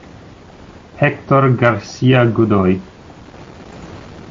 Héctor García Godoy